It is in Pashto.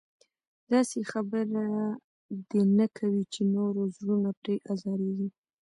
داسې خبره دې نه کوي چې نورو زړونه پرې ازارېږي.